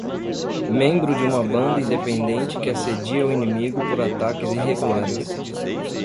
Membro de uma banda independente que assedia o inimigo por ataques irregulares.